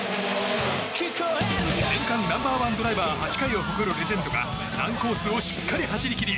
年間ナンバー１ドライバー８回を誇るレジェンドが難コースをしっかり走り切り